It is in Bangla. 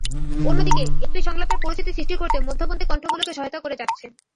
অন্যদিকে, একটি সংলাপের পরিস্থিতি সৃষ্টি করতে মধ্যপন্থী কণ্ঠগুলোকে সহায়তা করে যাচ্ছে।